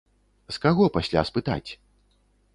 З каго пасля спытаць?